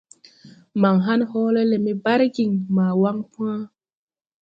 Man hãn hoole le me bargiŋ ma wan pãã.